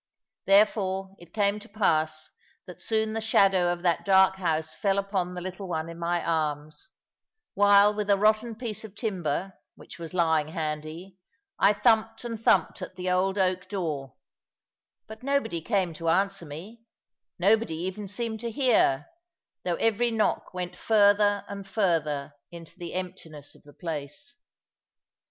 Therefore it came to pass that soon the shadow of that dark house fell upon the little one in my arms, while with a rotten piece of timber, which was lying handy, I thumped and thumped at the old oak door, but nobody came to answer me; nobody even seemed to hear, though every knock went further and further into the emptiness of the place.